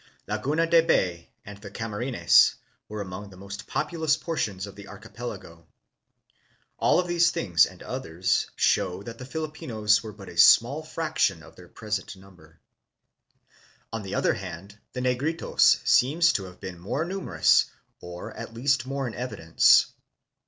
Laguna de Bay and the Camarines were among the most populous portions of the archipel ago. All of these things and others show that the Fili pinos were but a small fraction of their present number. On the other hand, the Negritos seem to have been more numerous, or at least more in evidence.